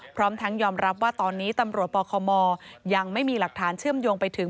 พร้อมทั้งยอมรับว่าตอนนี้ตำรวจปคมยังไม่มีหลักฐานเชื่อมโยงไปถึง